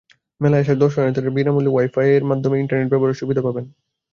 মেলায় আসা দর্শনার্থীরা বিনা মূল্যে ওয়াইফাইয়ের মাধ্যমে ইন্টারনেট ব্যবহারের সুবিধা পাবেন।